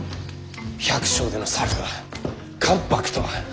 百姓出の猿が関白とは！